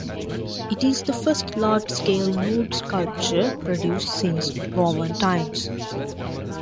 It is the first large scale nude sculpture produced since Roman times.